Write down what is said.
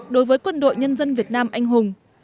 đối với quân đội nhân dân việt nam anh hùng